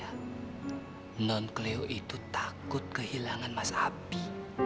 ternyata non cleo itu takut kehilangan mas abi